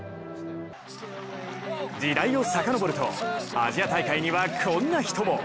時代を遡るとアジア大会にはこんな人も。